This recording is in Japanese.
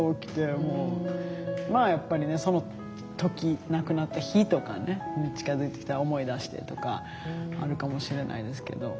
まあやっぱりねその時亡くなった日とか近づいてきたら思い出してとかあるかもしれないですけど。